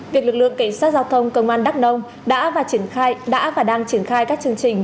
việc lực lượng cảnh sát giao thông công an đắk nông đã và đang triển khai các chương trình